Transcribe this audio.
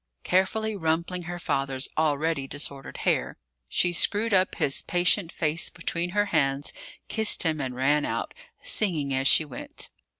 Carefully rumpling her father's already disordered hair, she screwed up his patient face between her hands, kissed him and ran out, singing as she went.